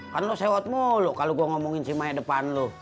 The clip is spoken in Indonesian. kan lu sewot mulu kalo gua ngomongin si maik depan lu